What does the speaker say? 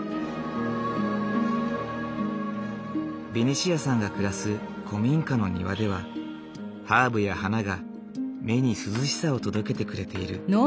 ベニシアさんが暮らす古民家の庭ではハーブや花が目に涼しさを届けてくれている。